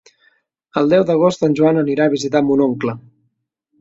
El deu d'agost en Joan anirà a visitar mon oncle.